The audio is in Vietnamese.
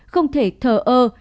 không thể thờ ơ